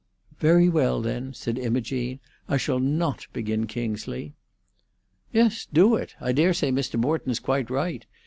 "Very well, then," said Imogene. "I shall not begin Kingsley." "Yes, do it. I dare say Mr. Morton's quite right.